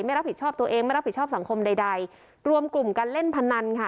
ไม่รับผิดชอบตัวเองไม่รับผิดชอบสังคมใดใดรวมกลุ่มการเล่นพนันค่ะ